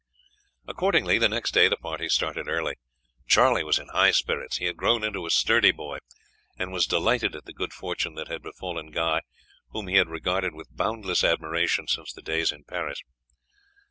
Accordingly the next day the party started early. Charlie was in high spirits; he had grown into a sturdy boy, and was delighted at the good fortune that had befallen Guy, whom he had regarded with boundless admiration since the days in Paris.